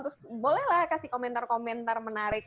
terus bolehlah kasih komentar komentar menarik